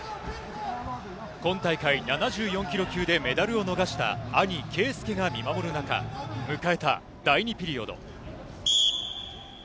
今大会７４ｋｇ級でメダルを逃した、兄・圭祐が見守る中、迎えた第２ピリオド。